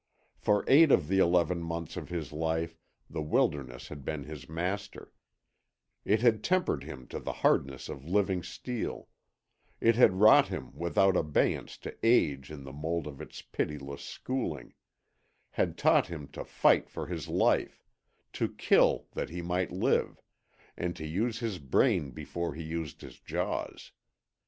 For eight of the eleven months of his life the wilderness had been his master; it had tempered him to the hardness of living steel; it had wrought him without abeyance to age in the mould of its pitiless schooling had taught him to fight for his life, to kill that he might live, and to use his brain before he used his jaws.